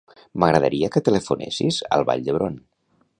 M'agradaria que telefonessis al Vall d'Hebron.